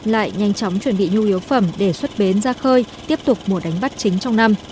lại nhanh chóng chuẩn bị nhu yếu phẩm để xuất bến ra khơi tiếp tục mùa đánh bắt chính trong năm